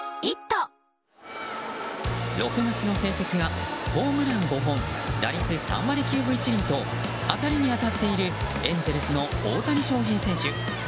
６月の成績がホームラン５本打率３割９分１厘と当たりに当たっているエンゼルスの大谷翔平選手。